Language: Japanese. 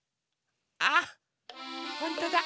あっほんとだほら。